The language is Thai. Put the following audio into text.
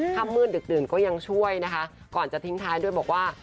ถ้ามืดดึกดื่นก็ยังช่วยนะคะก่อนจะทิ้งท้ายด้วยบอกว่า